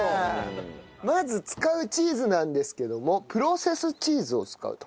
まず使うチーズなんですけどもプロセスチーズを使うと。